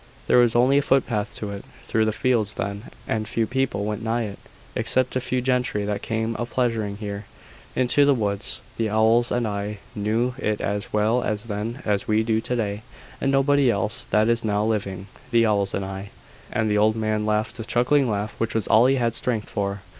There was only a footpath to it through the fields then, and few people went nigh it except a few gentry that came a pleasuring here, into the woods. The owls and I knew it as well then as we do to day, and nobody else that is now living. The owls and I." And the old man laughed the chuckling laugh which was all he had strength for.